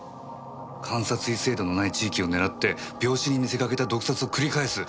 監察医制度のない地域を狙って病死に見せかけた毒殺を繰り返す。